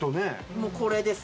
もうこれです。